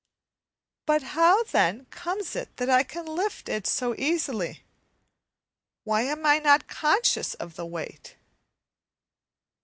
But how, then, comes it that I can lift it so easily? Why am I not conscious of the weight?